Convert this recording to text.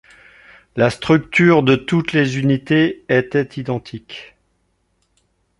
La structure de toutes les unités était identique.